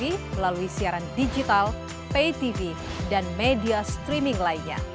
melalui siaran digital pay tv dan media streaming lainnya